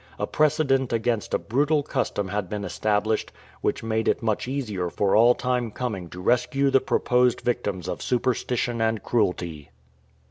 A precedent against a brutal custom had been established, which made it much easier for all time com ing to rescue the proposed victims of superstition and cruelty.